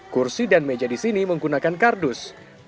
kursi dan meja di sini menggunakan kardus